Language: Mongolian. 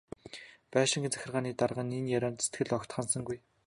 Байшингийн захиргааны дарга энэ ярианд сэтгэл огт ханасангүй.